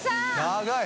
長い。